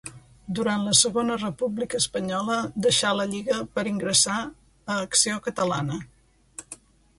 Durant la Segona República Espanyola deixà la Lliga per ingressar a Acció Catalana.